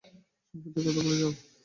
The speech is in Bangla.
সংকেতের কথা ভুলে যাও।